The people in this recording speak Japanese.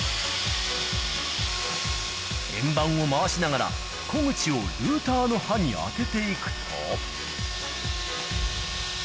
円板を回しながら、木口をルーターの刃に当てていくと。